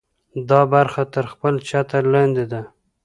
دا برخه تر خپل چتر لاندې ده.